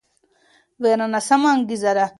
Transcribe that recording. ویره ناسمه انګیزه ده